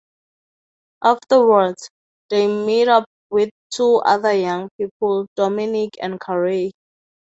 Afterwards, they meet up with two other young people, Dominic and Karay.